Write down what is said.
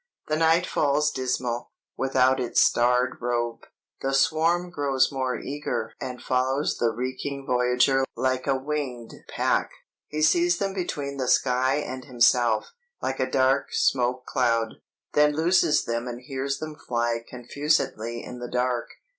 "The night falls dismal, without its starred robe, the swarm grows more eager and follows the reeking voyager like a winged pack. He sees them between the sky and himself, like a dark smoke cloud, then loses them and hears them fly confusedly in the dark.